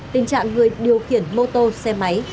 tình trạng người điều khiển mô tô xe máy